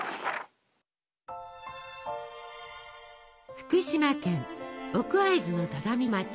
福島県奥会津の只見町。